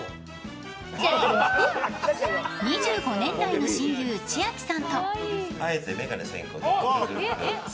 ２５年来の親友、千秋さんと。